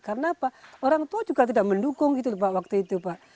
karena pak orang tua juga tidak mendukung gitu pak waktu itu pak